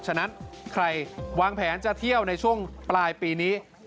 ฉะนั้นใครวางแผนจะเที่ยวในช่วงปลายปีนี้